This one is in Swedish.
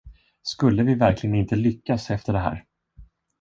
Skulle vi verkligen inte lyckas efter det här?